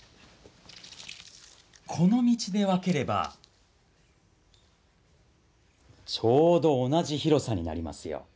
この道で分ければちょうど同じ広さになりますよ。